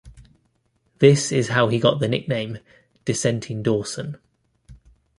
This is how he got the nickname "Dissenting Dawson".